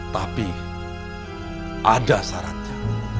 tapi ada syaratnya